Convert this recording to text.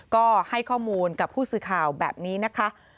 ก็ให้ข้อมูลกับผู้สื่อข่าวแบบนี้นะคะ